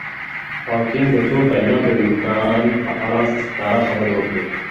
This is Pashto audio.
هاوکېنګ د څو کایناتونو د امکان په اړه ښکاره خبرې وکړي.